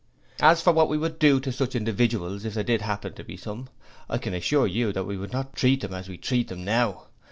'As for what we should do to such individuals if there did happen to be some, I can assure you that we would not treat them as you treat them now.